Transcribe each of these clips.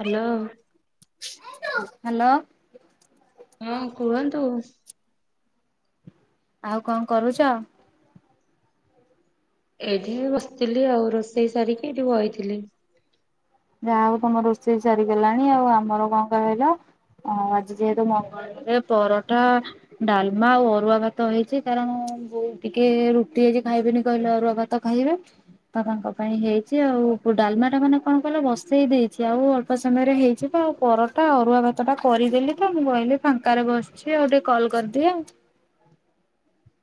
Hello. Hello. ହଁ କୁହନ୍ତୁ। ଆଉ କଣ କରୁଚ? ଏଇଠି ବସିଥିଲି ଆଉ ରୋଷେଇ ସାରିକି ଏଠି ବଇଥିଲି। ଯାହା ହଉ ତୋମ ରୋଷେଇ ସରିିଗଲାଣି। ଆଉ ଆମର କଣ କହିଲ ହଁ ଆଜି ଯେହେତୁ ମଙ୍ଗଳବାରରେ ପରଟା ଡାଲମା ଆଉ ଅରୁଆ ଭାତ ହେଇଛି କାରଣ ବୋଉ ଟିକେ ରୁଟି ଆଜି ଖାଇବେନି କହିଲ ଅରୁଆ ଭାତ ଖାଇବେ। ବାପାଙ୍କ ପାଇଁ ହେଇଛି ଆଉ ଡାଲମା ଟା ମାନେ କଣ କଲେ ବସେଇ ଦେଇଛି ଆଉ ଅଳ୍ପ ସମୟରେ ହେଇଛି ତ ଆଉ ପରଟା ଅରୁଆ ଭାତଟା କରିଦେଲି ତ ମୁଁ କହିଲି ଫାଙ୍କାରେ ବସିଛି ଆଉ ଟିକେ କଲ କରିଦିଏ। [inaudible]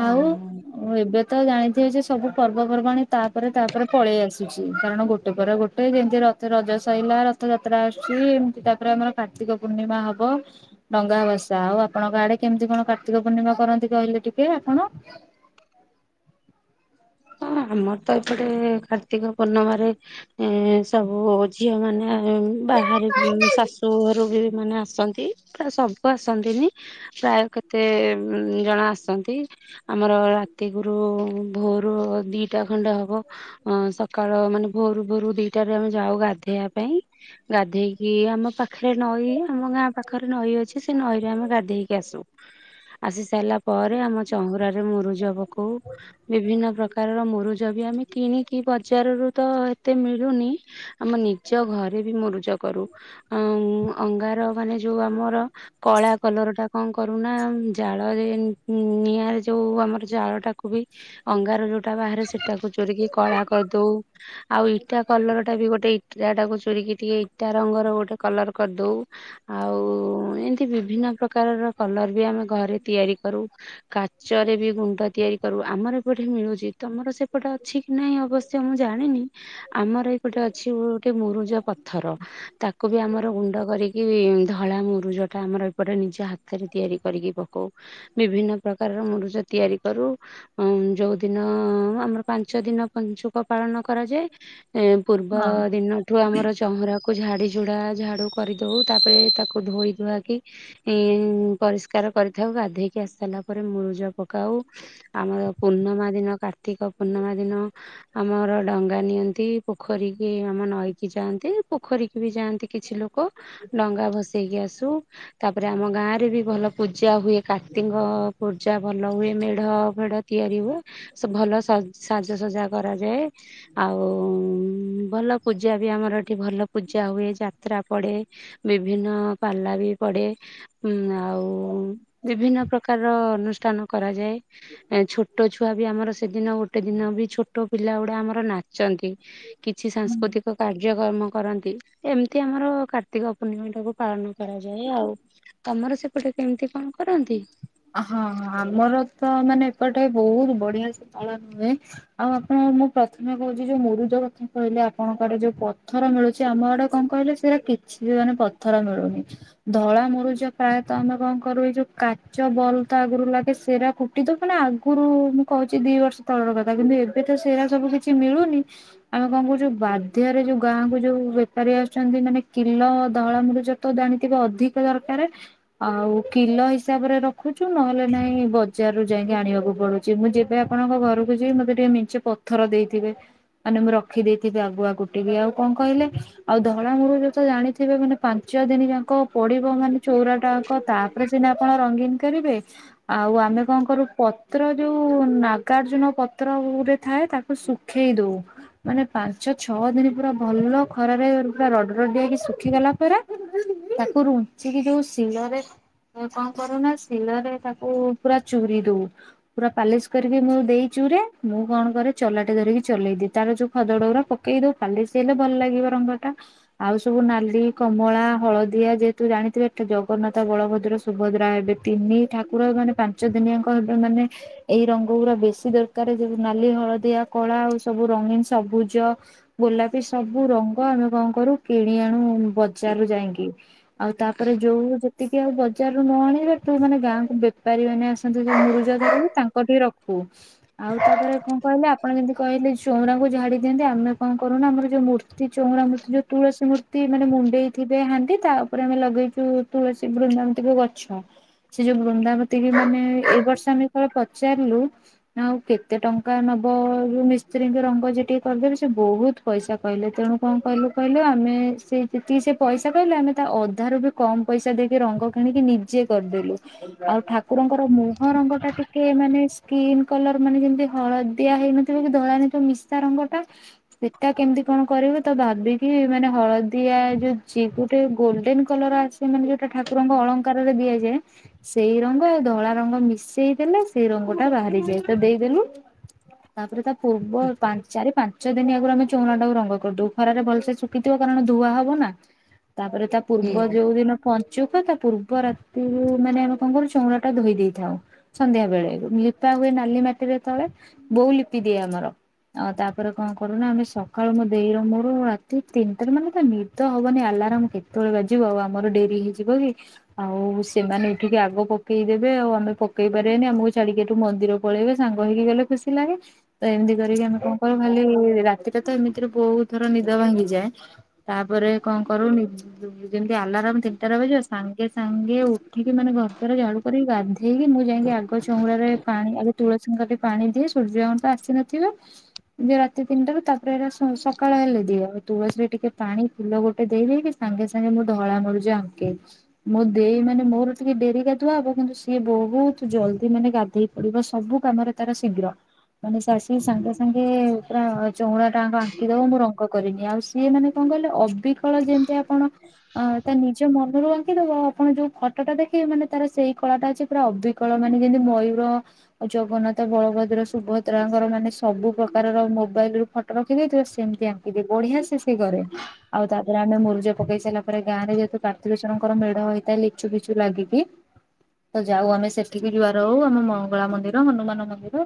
ଆଉ ଏବେ? ତ ଜାଣିଥିବେ ଯେ ସବୁ ପର୍ବପର୍ବାଣି ତାପରେ ତାପରେ ପଳେଇ ଆସୁଛି କାରଣ ଗୋଟେ ପରେ ଗୋଟେ ଏଇ ଯେମିତି ରଥ ରଜ ସରିଲା ରଥଯାତ୍ରା ଆସୁଛି ଏମିତି ତାପରେ ଆମର କାର୍ତ୍ତିକ ପୂର୍ଣ୍ଣିମା ହବ। ଡଙ୍ଗା ବସା ଆଉ ଆପଣ ଗା ଆଡେ କେମିତି କଣ କାର୍ତ୍ତିକ ପୂର୍ଣ୍ଣିମା କରନ୍ତି କହିଲେ ଟିକେ ଆପଣ? [inaudible] ହଁ ଆମର ତ ଏପଟେ କାର୍ତ୍ତିକ ପୂର୍ଣ୍ଣିମାରେ ଏ ସବୁ ଝିଅ ମାନେ ବାହାରି ଶାଶୁ ଘରୁ ବି ମାନେ ଆସନ୍ତି ପ୍ରାୟ ସବୁ ଆସନ୍ତିନି ପ୍ରାୟ କେତେ ଜଣ ଆସନ୍ତି ଆମର ରାତିଗୁରୁ ଭୋରୁ ଦିଟା ଖଣ୍ଡେ ହବ ସକାଳ ମାନେ ଭୋରୁ ଭୋରୁ ଦିଟା ରେ ଆମେ ଯାଉ ଗାଧେଇବା ପାଇଁ ଗାଧେଇକି ଆମ ପାଖରେ ନଈ ଆମ ଗାଁ ପାଖରେ ନଈ ଅଛି ସେ ନଈରେ ଆମେ ଗାଧେଇକ ଆସୁ ଆସି ସାରିଲା ପରେ ଆମ ଚହୁରାରେ ମୁରୁଜ ପକଉ ବିଭିନ୍ନ ମୁରୁଜ ବି ଆମେ କିଣିକି ବଜାରରୁୁ ତ ଏତେ ମିଳୁନି। ଆମ ନିଜ ଘରେ ବି ମୁଁ ରୁଜ କରୁ ଅଙ୍ଗାର ମାନେ ଯୋଉ ଆମର କଳା। କଲର ଟା କଣ କରୁନା ଜାଳ ନିଆଁରେ ଯୋଉ ଆମର ଜାଳ ଟାକୁ ବି ଅଙ୍ଗାର ଯୋଉଟା ବାହାରେ ସେଟାକୁ ଚୋରିିକି କଳା କରିଦଉ ଆଉ ଇଟା କଲର ଟା ବି ଗୋଟେ କା ଟାକୁ ଚୋରିକି ଟିକେ ଇଟା ରଙ୍ଗର ଗୋଟେ କଲର କରିଦଉ ଆଉ ଏମିତି ବିଭିନ୍ନ ପ୍ରକାରର କଲର ବି ଆମେ ଘରେ ତିଆରି କରି କାଚରେ ବି ଗୁଣ୍ଡ ତିଆରି କରୁ ଆମର ଏପଟେ ମିଳୁଛି ତମର ସେପଟେ ଅଛି କି ନହିଁ ଅବଶ୍ୟ ମୁଁ ଜାଣିନି ଆମର ଏଇପଟେ ଅଛି ଗୋଟେ ମୁରୁଜ ପଥର ତାକୁ ବି ଆମର ଗୁଣ୍ଡ କରିକି ଧଳା ମୁରୁଜ ଟା ଆମର ଏପଟେ ନିଜେ ହାତରେ ତିଆରି କରିକି ପଉ ବିଭିନ୍ନ ପ୍ରକାର ତିଆରି କରୁ। ଯୋଉଦିନ ଆମର ପାଞ୍ଚ ଦିନ ପଞ୍ଚୁକ ପାଳନ କରାଯାଏ। ଏ ପୂର୍ବ ହଁ ଦିନଠୁ ଆମର ଚ ଧୋଇ ଧୁଆକି ପରିଷ୍କାର କରିଥାଉ ଗାଧୋଇକି ଆସି ସାରିଲା ପରେ ମୁରୁଜ ପକାଉ ଆମର ପୂର୍ଣ୍ଣମା ଦିନ କାର୍ତ୍ତିକ ପୂର୍ଣ୍ଣମା ଦିନ ଆମର ଡଙ୍ଗା ନିଅନ୍ତି ପୋଖରୀ କି ଆମ ନଈକି ଯାଆନ୍ତି ପୋଖରୀ କି ବି ଯାଆନ୍ତି। କିଛି ଲୋକ ଡଙ୍ଗା ଭସେଇକି ଆସୁ। ତାପରେ ଆମ ଗାଁରେ ବି ଭଲ ପୂଜା ହୁଏ କାର୍ତ୍ତିକ ପୂଜା ଭଲ ହୁଏ ମେଢ ଫେଡ଼ ତିଆରି ହୁଏ ଭଲଜ ସାଜସଜା କରାଯାଏ ଆଉ ଭଲ ଭଲ ପୂଜା ବି ଆମର ଏଠି ଭଲ ପୂଜା ହୁଏ ଯାତ୍ରା ପଡେ ବିଭିନ୍ନ ପାଲା ବି ପଡେ। ଉ ଆଉ ବିଭିନ୍ନ ପ୍ରକାରର ଅନୁଷ୍ଠାନ କରାଯାଏ। ଛୋଟ ଛୁଆ ବି ଆମର ସେଦିନ ଗୋଟେ ଦିନ ବି ଛୋଟ ପିଲା ଗୁଡା ଆମର ନାଚନ୍ତି। କିଛି ହୁଁ। ସାଂସ୍କୃତିକ କାର୍ଯ୍ୟକ୍ରମ କରନ୍ତି ଏମିତି ଆମର କାର୍ତ୍ତିକ ପୂର୍ଣ୍ଣିମା ଟାକୁ ପାଳନ କରାଯାଏ ଆଉ ତମର ସେପଟେ କେମିତି କଣ କରନ୍ତି? ହଁ ଆମର ତ ମାନେ ଏପଟେ ବହୁତ ବଢିଆ ସେ ପାଳନ ହୁଏ ଆଉ ଆପଣ ହଁ ମୁଁ ପ୍ରଥମେ କହୁଛି ଯୋଉ ମୁରୁଜ କଥା କହିଲେ ଆପଣଙ୍କ ଆଡେ ଯୋଉ ପଥର ମିଳୁଛି ଆମ ଆଡେ କଣ କହିଲେ ସେଇଟା କିଛି ବି ମାନେ ପଥର ମିଳୁନି ଧଳା ମରୁଜ ପ୍ରାୟତଃ ଆମେ କଣ କରୁ ଏଇ ଯୋଉ ବଲ ତ ଆଗରୁ ଲାଗେ ସେରା ଖୁଟିଦ ମାନେ ଆଗରୁ ମୁଁ କହୁଛି ଦି ବର୍ଷ ତଳର କଥା କିନ୍ତୁ ଏବେ ତ ସେଇରା ସବୁ କିଛି ମିଳୁନି ଆମେ କଣ କୁଛୋଉ ବାଧ୍ୟରେ ଯୋଉ ଗାଁ କୁ ଯୋଉ ବେପାରୀ ଆସୁଛନ୍ତି। ମାନେ କିଲ ଧଳା ମୂରୁଜ ତ ଜାଣିଥିବ ଅଧିକ ଦରକାର ଆଉ କିଲୋ ହିସାବ ହିସାବରେ ରଖୁଛୁ ନହେଲେ ନହିଁ ବଜାରରୁୁ ଯାଇକି ଆଣିବାକୁ ପଡୁଛି ମୁଁ ଯେବେ ଆପଣଙ୍କ ଘରକୁ ଯିବି ମତେ ଟିକେ ମେଞ୍ଚେ ପଥର ଦେଇଥିବେ ମାନେ ମୁଁ ରଖି ଦେଇଥିବି ଆଗୁଆ କି ଆଉ କଣ କହିଲେ ଆଉ ଆମର ଯତ ଜାଣିଥିବେ ମାନେ ପାଞ୍ଚ ଦିନ ଯାକ ପଡିବ ମାନେ ଚଉରାଟା ଜାକ ତାପରେ ସିନା। ଆପଣ ରଙ୍ଗୀନ କରିବେ ଆଉ ଆମେ କଣ କରୁ ପତ୍ର ଯୋଉ ନାଗାର୍ଜୁନ ପତ୍ର। ରେ ଥାଏ ତାକୁ ଶୁଖେଇ ଦଉ। ମାନେ ପାଞ୍ଚ ଛଅ ଦିନ ପୁରା ଭଲ ଖରାରେ ପୁରା ରଡରଡିଆକି ଶୁଖିଗଲା ପରେ ତାକୁ ରୁଞ୍ଚିକି ଯୋଉ ଶିଳରେ କଣ କରୁନା ଶିଳରେ ତାକୁ ପୁରା ଚୁରି ଦଉ ପୁରା ପାଲିସ କରିକି ମୋ ଦେଇ ଚୁରେ ମୁଁ କଣ କରେ ଚଲାଟେ ଧରିକି ଚଲେଇଦି ତାର ଯୋଉ ଖଦଡ ଗୁରା ପକେଇ ଦଉ ପାଲିସ ହେଲେ ଭଲ ଲାଗିବ ରଙ୍ଗ ଟା ଆଉ ସବୁ ନାଲି କମଳା ହଳଦିଆ ଯେହେତୁ ଜାଣିଥିବେ ଏଟା ଜଗନ୍ନାଥ ବଳଭଦ୍ର ସୁଭଦ୍ରା ହେବେ ତିନି ଠାକୁର ମାନେ ପାଞ୍ଚ ଦିନିଆଙ୍କ ହେବେ ମାନେ ଏଇ ରଙ୍ଗ ଗୁରା ବେଶୀ ଦରକାର। ଗଟେ ଯଉ ନାଲି ହଳଦିଆ କଳା ଆଉ ସବୁ ରଙ୍ଗୀନ ସବୁଜ ଗୋଲାପୀ ସବୁ ରଙ୍ଗ ଆମ କଣ କରୁ କିଣି ଆଣୁ ବଜାରୁ ଯାଇକି ଆଉ ତାପରେ ଯୋଉ ଯେତିକି ଆଉ ଜାରୁ ନ ଆଣିଲେ ତୁ ମାନେ ଗାଁକୁ ବେପାରୀ ମାନେ ଆସନ୍ତି ଯୋଉ ମୁରୁଜ ଧରିକି ତାଙ୍କ ଟିକେ ରଖୁ। ଆଉ ତାପରେ କଣ କହିଲେ ଆପଣ ଯେମିତି କହିଲେ ଚଉରାଙ୍କୁ ାଡି ଦିଅନ୍ତି ଆମେ କଣ କରୁନ ଆମର ଯୋଉ ମୂର୍ତ୍ତି ଚଉର ମୂ ଯୋଉ ତୁଳସି ମୂର୍ତ୍ତି ମାନେ ମୁଣ୍ଡେଇ ଥିବେ ହାଣ୍ଡି ତା ଉପରେ ଆମେ ଲଗେଇଛୁ ତୁଳସୀ ବୃନ୍ଦାମୂର୍ତି ଗଛ ସେ ଯୋଉ ବୃନ୍ଦାବତୀ ବି ମାନେ ଏଇ ବର୍ଷ ଆମେ କେବଳ ପଚାରିଲୁ ଆଉ କେତେ ଟଙ୍କା ନବ ଯଉ ମିସ୍ତ୍ରୀଙ୍କ ରଙ୍ଗ ଯେ ଟିକେ କରିଦେଲେ ସେ ବହୁତ ପଇସା କହିଲେ ତେଣୁ କଣ କହିଲୁ କହିଲୁ ଆମେ ସେ ଯେତିକି ସେ ପଇସା ପାଇଲା ଆମେ ତା ଅଧାରୁ ବି କମ ପଇସା ଦେଇକି ରଙ୍ଗ କିଣିକି ନିଜେ କରିଦେଲୁ ଆଉ ଠାକୁରଙ୍କର ମୁହଁ ରଙ୍ଗଟା ଟିକେ ମାନେ ସ୍କିନ କଲର ସେମାନେ ଯେମିତି ହଳଦିଆ ହେଇନଥିବେ କି ଧଳା ହେଇ ନଥିବ ମିଶା ରଙ୍ଗଟା ସେଟା କେମିତି କଣ କରିବୁ ତ ଭାବିକି ମାନେ ହଳଦିଆ ଯୋଉ ଚି ଗୋଟେ ଗୋଲଡେନ କଲର ଆସେମାନେ ଯୋଉଟା ଠାକୁ ଠାକୁରଙ୍କ ଅଳଙ୍କାରରେ ଦିଆଯାଏ ସେଇ ରଙ୍ଗ ଆଉ ଧଳା ରଙ୍ଗ ମିଶେଇ ଦେଲେ ସେଇ ରଙ୍ଗ ଟା ବାହାରିଯାଏ। ଏଇତ ଦେଇଦେଲୁ ତାପରେ ତା ପୂର୍ବ ପାଞ୍ଚ ଚାରି ପାଞ୍ଚ ପାଞ୍ଚ ଦିନି ଆଗରୁ ଆମେ ଚଉରା ଟାକୁ ରଙ୍ଗ କରିଦଉ ଖରାରେ ଭଲସେ ଶୁଖିଥିବ କାରଣ ଧୁଆ ହବ ନା ତାପରେ ତା ହୁଁ ପୂର୍ବ ଯୋଉ ଦିନ ପଞ୍ଚ ତା ପୂର୍ବ ରାତିରୁ ମାନେ ଆମେ କଣ କରୁ ଚଉରା ଟା ଧୋଇ ଦେଇଥାଉ ସନ୍ଧ୍ୟା ବେଳେ ଲିପା ହୁଏ। ନାଲିମାଟିରେ ତଳେ ବୋଉ ଲିପିଦିଏ ଆମର। ଆଉ ତାପରେ କଣ କରୁନା ଆମେ ସକାଳୁ ମୋ ଦେଇର ମୋର ରାତି ତିନିଟାରେ ମାନେ ତ ନିଦ ହବନି ଆଲା ଆଲାର୍ମ କେତେବେଳେ ବାଜିବ ଆମର ଡେରି ହେଇ ଯିବକି ଆଉ ସେମାନେ ଏଠିକି ଆଗ ପକେଇଦେବେ ଆଉ ଆମେ ପକେଇପାରିବାନି ଆମକୁ ଛାଡିକି ଏଠୁ ମନ୍ଦି ମନ୍ଦିର ପଳେଇବେ ସାଙ୍ଗ ହେଇକିଗଲେ ଖୁସିଲାଗେ ତ ଏମିତି କରିକି ଆମେ କଣ କରୁ ଖାଲି ରାତିଟା ତ ଏମିତିରେ ବୋହୁଥର ନିଦ ଭାଙ୍ଗିଯାଏ ତାପରେ କଣ କରୁ ନିଦ ଯେମିତି ଆଲାର୍ମ ସାଙ୍ଗେ ସାଙ୍ଗେ ଉଠିକି ମାନେ ଘର ଦୁଆର ଝାଡୁ କରିକି ଗାଧେଇ ଗାଧେଇକି ମୁଁ ଯାଇକି ଆଗ ଚଉରାରେ ପାଣି ଆଗେ ତୁଳସୀମୂଳରେ ପାଣି ଦିଏ ସୂର୍ଯ୍ୟଙ୍କ ଠିତ ଆସିନଥିବେ। ଯେ ରାତି ତିନିଟାରୁ ତାପରେ ହେରା ସକାଳ ହେଲେ ଦିଏ ତୁଳସୀମୂଳରେ ଟିକେ ପାଣି ଫୁଲ ଗୋଟେ ଦେଇଦେଇକି ସାଙ୍ଗେସାଙ୍ଗେ ମୁଁ ଧଳା ମୁରୁଜ ଆଙ୍କି ମୋ ଦେଇ ମାନେ ମୋର ଟିକେ ଡେରି ଗାଧୁଆ ହବ କିନ୍ତୁ ସିଏ ବହୁତ ଜଲ୍ଦି ମାନେ ଗାଧେଇ କରିବ ସବୁ କାମରେ ତାର ଶୀଘ୍ର। ମାନେ ସେ ଆସି ସାଙ୍ଗେ ସାଙ୍ଗେ ପୁରା ଚଉରା ଟା ଜାକ ଆଙ୍କିଦଵ ମୁଁ ରଙ୍ଗ କରିନିଏ ଆଉ ସିଏ ମାନେ କଣ ହିଲେ ଅବିକଳ ଯେମିତି ଆପଣ ତା ନି ମନରୁ ଆଙ୍କିଦବ ଆପଣ ଯୋଉ ଫଟୋଟା ଦେଖିବେ ମାନେ ତାର ସେଇ କଳାଟା ଅଛି ପୁରା ଅବିକଳ ମାନେ ଯେମିତି ମୟୁ ର ଜଗନ୍ନାଥ ବଳଭଦ୍ର ସୁଭଦ୍ରାଙ୍କର ମାନେ ସବୁ ପ୍ରକାରର ମୋବାଇଲ ରୁ ଫଟୋ ରଖୀ ହେଇଥିବ ସେମତି ଆଙ୍କିଦିଏ ବଢିଆ ସେ କରେ ଆଉ ତାପରେ ଆମେ ମୁରଜ ପକେଇ ସାରିଲା ପରେ ଗାଁରେ ଯେହେତୁ କାର୍ତ୍ତିକଶ୍ଵରଙ୍କର ମେଢ ହେଇଥାଏ ଲିଚୁଫିଚୁ ଲାଗିକି ତ ଯାଉ ଆମେ ସେଠିକି ଜୁଆର ହେଉ ଆମ ମଙ୍ଗଳା ମନ୍ଦିର ହନୁମାନ ମନ୍ଦିର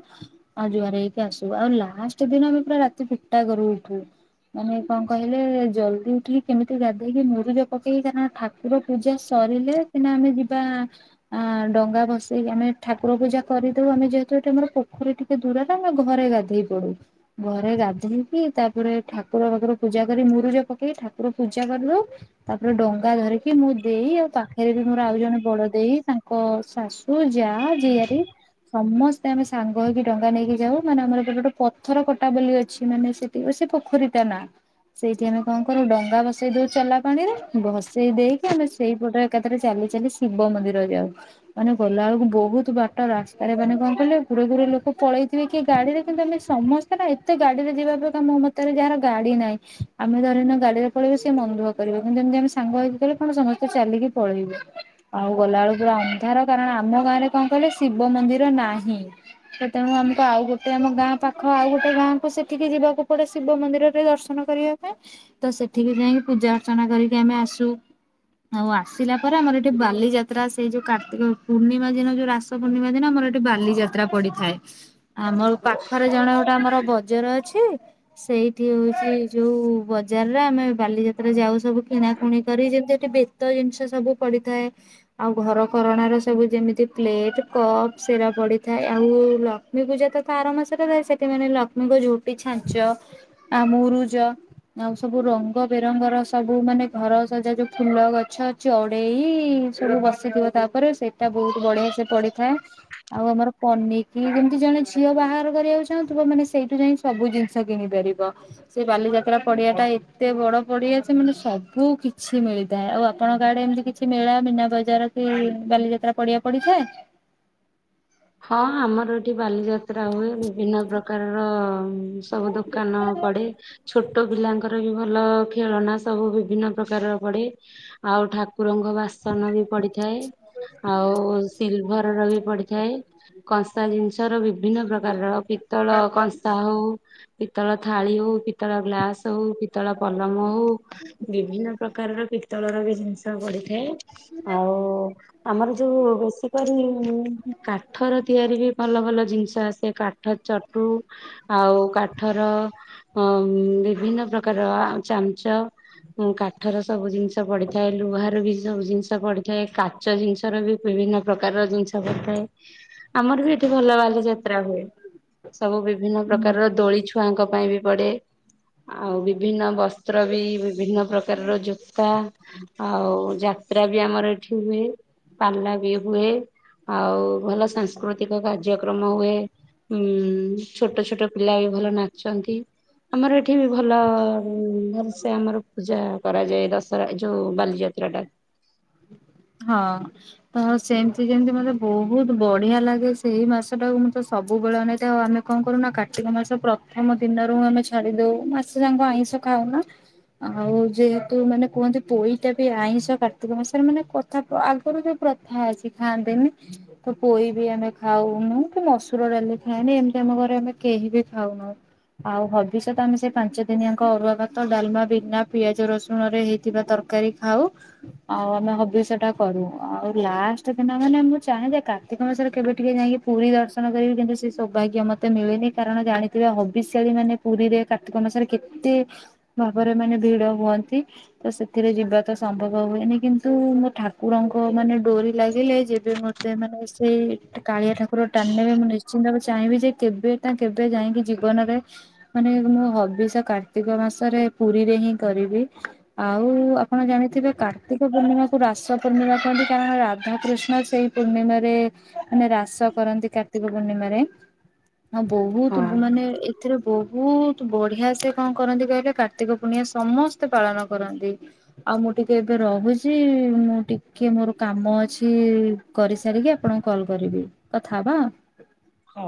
ଆଉ ଜୁଆର ହେଇକି ଆ ସୁ ଆଉ ଲାଷ୍ଟ ଦିନ ଆମେ ପୁରା ରାତି ଗୋଟାକରୁ ଉଠୁ। ମାନେ କଣ କହିଲେ ଜଲଦି ଉଠିକି କେମିତି ଗାଧେଇକି ମୁରଜ ପକେଇ କାରଣ ଠାକୁର ପୂଜା ସରିଲେ ସିନା ଆମେ ଯିବା ଡଙ୍ଗା ଭସେଇ ଆମେ ଠାକୁର ପୂଜା ପୂଜା କରିଦଉ ଆମେ ଯେହେତୁ ଏଠି ଆମର ପୋଖରୀ ଟିକେ ଦୂରରେ ଆମେ ଘରେ ଗାଧେଇ ପଡୁ ଘରେ ଗାଧେଇ। ତାପରେ ଠାକୁର ବାଖୁର ପୂଜା କରି ମୁରୁଜ ପକେଇ ଠାକୁର ପୂଜା କରିଦେଉ ତାପରେ ଡ ଛତା ଧରିକି ମୁଁ ଦେଇ ଆଉ ପାଖରେ ବି ମୋର ଆଉ ଜଣେ ବଡ ଦେଇ, ତାଙ୍କ ଶାଶୁ, ଯାଆ, ଝିଆ [unintelligible] ସମସ୍ତେ ଆମେ ସାଙ୍ଗ ହେଇକି ଡଙ୍ଗା ନେଇକି ଯାଉ ମାନେ ଆମର ଗୋଟେ ଗୋଟେ ପଥର କଟା ବୋଲି ଅଛି ମାନେ ସେଠିକୁ ସେ ପୋଖରୀଟା ନା ସେଇଠି ଆମେ କଣ କରୁ ଡଙ୍ଗା ବସେଇ ଦଉ ଚଲାପାଣିରେ ବସ୍ ସେଇ ଦେଇକି ଆମେ ସେଇପଟ ଏକାଥରେ ଚାଲି ଚାଲି ଶିବ ମନ୍ଦିର ଯାଉ ମାନେ ଗଲା ବେଳୁକୁ ବହୁତ ବା ଟ ରାସ୍ତାରେ ମାନେ କଣ କଲେ ଗୁରେ ଗୁରେ ଲୋକ ପଳେଇଥିବେ କି ଗାଡିରେ କିନ୍ତୁ ଆମେ ସମସ୍ତେ ନା ଏତେ ଗାଡିରେ ଯିବା। ତେବେକା ମୋ ମତରେ ଯାହାର ଗାଡି ନାହିଁ ଆମେ ଧରିନିଅ ଗାଡିରେ ପଳେଇବା ସିଏ ମନ ଦୁଃଖ କରିବ। କିନ୍ତୁ ଏମିତି ଆମେ ସାଙ୍ଗ ହେଇକିଗଲେ କଣ ସମସ୍ତେ ଚାଲିକି ପଳେଇବୁ ଆଉ ଗଲାବେଳେକୁ ପୁରା ଅନ୍ଧାର କାରଣ ଆମ ଗାଁରେ କଣ? ଏଠେ ଶିବମନ୍ଦିର ନାହିଁ। ସେ ତେଣୁ ଆମକୁ ଆଉ ଗୋଟେ ଆମ ଗାଁ ପାଖ ଆଉ ଗୋଟେ ଗାଁକୁ ସେଠିକି ଯିବାକୁ ପଡେ ଶିବ ମନ୍ଦିରରେ ଦର୍ଶନ। ଦର୍ଶନ କରିବା ପାଇଁ ତ ସେଠି କି ଯାଇଁ ପୂଜା ଅର୍ଚ୍ଚନା କରିକି ଆମେ ଆସୁ। ଆଉ ଆସିଲା ପରେ ଆମର ଏଠି ବାଲିଯାତ୍ରା ସେଇଯୋଉ କାର୍ତ୍ତିକପୂର୍ଣ୍ଣିମା ଦିନ ଯୋଉ ରାସପୂର୍ଣ୍ଣିମା ଦିନ ଆମର ସେଠି ବାଲିଯାତ୍ରା ପଡିଥାଏ। ଆମ ପାଖରେ ଜଣେଗୋଟେ ଆମର ବଜାର ଅଛି। ସେଇଠି ହଉଛି ଯୋଉ ବଜାରରେ ଆମେ ବାଲିଯାତ୍ରା ଯାଉ ସବୁ କିଣା। ପୁଣି କରି ଯେମତି ଏଠି ବେତ ଜିନିଷ ସବୁ ପଡିଥାଏ ଆଉ ଘରକରଣାର ସବୁ ଯେମିତି ପ୍ଳେଟ୍। ଏଇଠି କପ୍ ସେରା ପଡିଥାଏ। ଆଉ ଲକ୍ଷ୍ମୀ ପୂଜା ତ ତା ଆରମାସରେ ର ସେଠି ମାନେ ଲକ୍ଷ୍ମୀଙ୍କ ଝୋଟ୍ ଏ ଛାଞ୍ଚ ଆ ମୁରୁଜ ଆଉ ସବୁ ରଙ୍ଗ ବେରଙ୍ଗର ସବୁ ମାନେ ଘର ସଜ୍ଜା ଯୋଉ ଫୁଲ ଗଛ ଅଛି ଅଡେଇ ସବୁ ବସିଥିବ। ତାପରେ ସେଇଟା ବହୁତ ବଢେଇ। ଛ ପଡିଥାଏ। ଆଉ ଆମର ପନିକି ଯେମିତି ଜଣେ ଝିଅ ବାହାଘର କରିବାକୁ ଚାହୁଁଥିବ ମାନେ ସେଇଠୁ ଯାଇଁ। ସବୁ ଜିନିଷ କିଣି ପାରିବ। ସେ ବାଲିଯାତ୍ରା ପଡିଆ ଟା ଏତେ ବଡ ପଡିଆ ସେ ମାନେ ସବ୍ ସବୁ କିଛି ମିଳିତାଏ। ଆଉ ଆପଣଙ୍କ ଆଡ଼େ ଏମିତି କିଛି ମେଳା, ମିନା ବଜାର କି ବାଲିଯାତ୍ରା ପଡ଼ିଆ ପଡ଼ିଥାଏ? ଥାଏ? ହଁ। ଆମର ଏଠି ବାଲିଯାତ୍ରା ହୁଏ। ବିଭିନ୍ନ ପ୍ରକାରର ସବୁ ଦୋକାନ ପଡେ। ଛୋଟ ପିଲାଙ୍କର ବି ଭଲ ଖେଳନା ସବୁ ବିଭିନ୍ନ ପ୍ରକାରର ପଡେ। ଆଉ ଠାକ୍ କୁରଙ୍କ ବାସନ ବି ପଡିଥାଏ। ଆଉ ସିଲଭର୍ ର ବି ପଡ଼ିଥାଏ। କଂସା ଜିନିଷ ର ବିଭିନ୍ନ ପ୍ରକାରର ପିତ୍ତଳ କଂସା ହଉ। ପିତ୍ତଳ ଥାଳି ହଉ, ପିତଳ ଗ୍ଲାସ ହଉ, ପିତଳ ପଲମ ହଉ ବିଭିନ୍ନ ପ୍ରକାରର ପିତ୍ତଳର ବି ଜିନିଷ ପଡ଼ିଥାଏ। ଆଉ ଆମର ଯୋଉ ବେଶି କରି ମୁଁ କା। କାଠର ତିଆରି ବି ଭଲ ଭଲ ଜିନଷ ଆସେ କାଠ ଚଟୁ ଆଉ କାଠର। ଅଁ ବିଭିନ୍ନ ପ୍ରକାର ଆ ଚାମଚ, ଉଁ କାଠର ସବୁ ଜିନିଷ। ଶ ପଡିିଥାଏ। ଲୁହାର ବି। ସବୁ ଜିନଷ ପଡିଥାଏ। କାଚ ଜିନଷ ର ବି ବିଭିନ୍ନ ପ୍ରକାରର ଜିନଷ ପଡିଥାଏ। ଆମର ବି ଏଠି ଭଲ ବାଲିଯାତ୍ରା ହୁଏ। ସବୁ ବିଭିନ୍ନ ହୁଁ ପ୍ରକାରର ଦୋଳି ଛୁଆଙ୍କ ପାଇଁ ବି ପଡେ। ଆଉ ବିଭିନ୍ନ ବସ୍ତ୍ର ବି ବିଭିନ୍ନ ପ୍ରକାରର ଜୋତା। ଆଉ ଯାତ୍ରା ବି ଆମର ଏଠି ହୁଏ। ପାଲା ବି ହୁଏ। ଆଉ ଭଲ ସାଂସ୍କୃତିକ କାର୍ଯ୍ୟକ୍ରମ ହୁଏ। ଉଁ ଛୋଟ ଛୋଟ ପିଲା ବି ଭଲ ନାଚନ୍ତି। ଆମର ଏଠି ବି ଭଲ ଉଁ ଭଲସେ ଆମର ପୂଜା କରାଯାଏ। ଦଶହରା ଯୋଉ ବାଲିଯାତ୍ରା ଟା। ହଁ ତ ସେମତି ଯେମତି ମତେ ବହୁତ ବଢିଆ ଲାଗେ ସେଇ ମାସ ଟାକୁ ମୁଁ ତ ସବୁବେଳେ ଅନେଇଥାଏ। ଆମେ କଣ କରୁନା କାର୍ତ୍ତିକ ମାସ ପ୍ରଥମ ଦିନରୁ ଆମେ ଛାଡିଦଉ ମାସେ ଯାଁକ ଆଇଁଷ। ଖାଉନା ଆଉ ଯେହେତୁ ମାନେ କୁହନ୍ତି ପୋଇଟା ବି ଆଇଁଷ କାର୍ତ୍ତିକ ମାସରେ ମାନେ ପ୍ର ତାପ ଆଗରୁ ଯୋଉ ପ୍ରଥା ଅଛି ଖାଆନ୍ତିନି ତ ପୋଇ ବି ଆମେ ଖାଉନୁ କି ମସୁର [unintelligible] ଖାଏନି ଏମତି ଆମ ଘରେ ଆମେ କେହି ବି ଖାଉନୁ। ଆଉ ହବିଷ ତ ଆମେ ସେଇ ପାଞ୍ଚ ଦିନିଆଙ୍କ ଅରୁଆ ଭାତ, ଡାଲମା ବିନା ପିଆଜ ରସୁଣରେ ହେଇଥିବା ତର କାରୀ ଖାଉ। ଆଉ ଆମେ ହବିଷ ଟା କରୁ। ଆଉ ଲାଷ୍ଟ ଦିନ ମାନେ ମୁଁ ଚାହେଁ ଯେ କାର୍ତ୍ତିକ ମାସରେ କେବେ ଟିକେ ଯାଇଁକି ପୁରୀ ଦର୍ଶନ କରିବି। ଏବେ ସେ ସୌଭାଗ୍ୟ ମତେ ମିଳେନି କାରଣ ଜାଣିଥିବେ ହବିଷ୍ୟାଳୀ ମାନେ ପୁରୀରେ କାର୍ତ୍ତିକ ମାସରେ କେତେ। ଭାବରେ ମାନେ ଭିଡ଼ ହୁଅନ୍ତି ତ ସେଥିରେ ଯିବା ତ ସମ୍ଭବ ହୁଏନି କିନ୍ତୁ ମୋ ଠା ଠାକୁରଙ୍କ ମାନେ ଡୋରି ଲାଗିଲେ ଯେବେ ମତେ ମାନେ ସେଇ କାଳିଆ ଠାକୁର ଟାଣିନେବେ ମୁଁ ନିଶ୍ଚି ନିଶ୍ଚିନ୍ତ ମୁଁ ଚାହିଁବି ଯେ କେବେ ନା କେବେ ଯାଇକି ଜୀବନରେ ମାନେ ମୋ ହବିଷ କାର୍ତ୍ତିକ ମା ମାସରେ ପୁରୀରେ ହିଁ କରିବି ଆଉ ଆପଣ ଜାଣିଥିବେ କାର୍ତ୍ତିକ ପୂର୍ଣ୍ଣିମାକୁୁ ରାସ ପୂର୍ଣ୍ଣିମା କୁହନ୍ତି କାରଣ ରାଧାକୃଷ୍ଣ ସେଇ ପୂର୍ଣ୍ଣିମାରେ ମାନେ ରାସ କରନ୍ତି କାର୍ତ୍ତିକ ପୂର୍ଣ୍ଣିମା ରେ ହଁ ବହୁତ ହଁ ମାନେ ଏଥିରେ ବହୁତ ବଢିଆ ସେ କଣ କରନ୍ତି କହିଲେ କାର୍ତ୍ତିକ ପୂର୍ଣିମା ସମସ୍ତେ ପାଳନ କରନ୍ତି। ଆଉ ମୁଁ ଟିକେ ଏବେ ରହୁଚି ମୁଁ ଟିକେ ମୋର କାମ ଅଛି କରିସାରିକି ଆପଣଙ୍କୁ କଲ କରିବି କଥା ହବା। ହଁ।